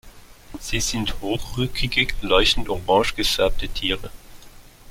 Sie sind hochrückige, leuchtend orange gefärbte Tiere.